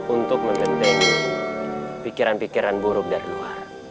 untuk menggendeng pikiran pikiran buruk dari luar